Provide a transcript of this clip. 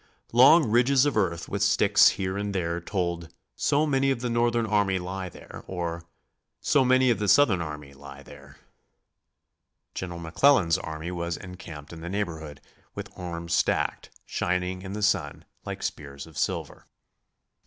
Long ridges of earth with sticks here and there told "so many of the Northern army lie here" or "so many of the Southern army lie there." General McClellan's army was encamped in the neighborhood, with arms stacked, shining in the sun like spears of silver.